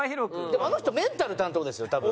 でもあの人メンタル担当ですよ多分。